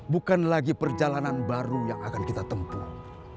bukan lagi perjalanan baru yang akan kita tempuh